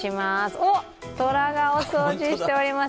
おっ、とらがお掃除しております。